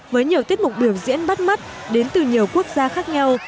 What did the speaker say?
với nhiều tiết mục biểu diễn bắt mắt đến từ nhiều quốc gia khác nhau